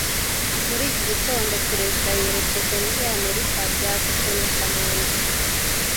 Muri iki gitondo, Perezida yerekeje muri Amerika byavuzwe na kamanzi